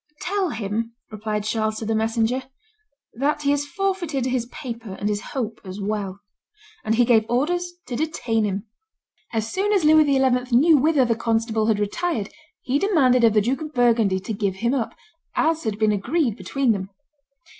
"Tell him," replied Charles to the messenger, "that he has forfeited his paper and his hope as well;" and he gave orders to detain him. As soon as Louis XI. knew whither the constable had retired, he demanded of the Duke of Burgundy to give him up, as had been agreed between them.